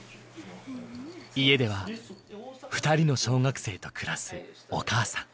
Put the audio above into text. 家では２人の小学生と暮らすお母さん。